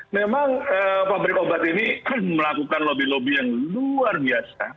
memang pabrik obat ini melakukan lobby lobby yang luar biasa